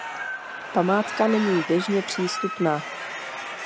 Památka není běžně přístupná.